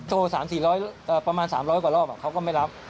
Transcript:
โทรสามสี่ร้อยประมาณสามร้อยกว่ารอบเขาก็ไม่รับ